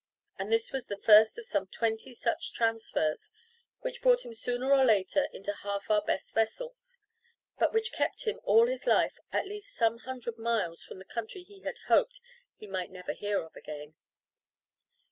And this was the first of some twenty such transfers, which brought him sooner or later into half our best vessels, but which kept him all his life at least some hundred miles from the country he had hoped he might never hear of again.